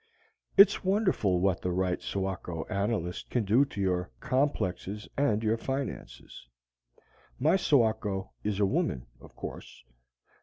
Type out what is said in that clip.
It's wonderful what the right soako analyst can do to your complexes and your finances. My soako is a woman, of course.